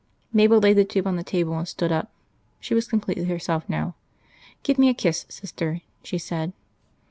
Mabel laid the tube on the table and stood up. She was completely herself now. "Give me a kiss, sister," she said.